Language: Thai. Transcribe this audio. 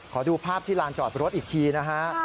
ขอดูภาพที่ลานจอดรถอีกทีนะฮะ